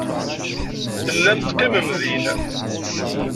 Tellam teqqimem din.